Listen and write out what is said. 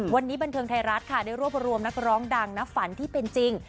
วันนี้บันเทิงไทยรัฐค่ะได้รวบรวมนักร้องดังนะฝันที่เป็นจริง